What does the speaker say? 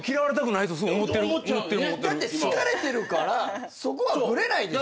だって好かれてるからそこはブレないんですよ。